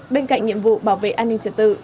bên cạnh nhiệm vụ bảo vệ an ninh trật tự